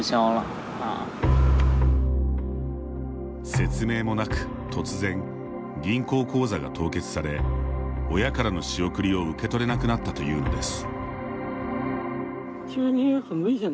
説明もなく突然銀行口座が凍結され親からの仕送りを受け取れなくなったというのです。